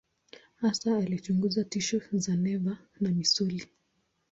Hasa alichunguza tishu za neva na misuli.